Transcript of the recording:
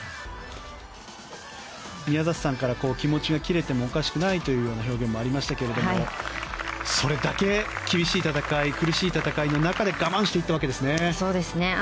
宮里さんから気持ちが切れてもおかしくないというような表現もありましたけどもそれだけ厳しい戦い苦しい戦いの中で我慢していったわけですね。